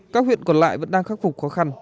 các huyện còn lại vẫn đang khắc phục khó khăn